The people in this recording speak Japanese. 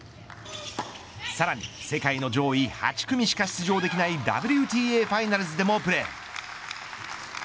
さらに世界の上位８組しか出場できないＷＴＡファイナルズでもプレー。